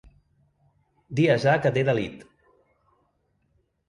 Dies ha que t’he delit!